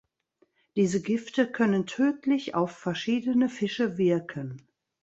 Diese Gifte können tödlich auf verschiedene Fische wirken.